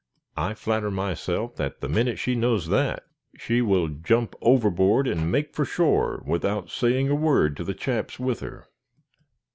I flatter myself that the minute she knows that, she will jump overboard and make for shore without saying a word to the chaps with her."